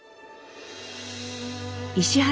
石原